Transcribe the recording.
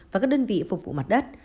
và các đơn vị phục vụ mặt đất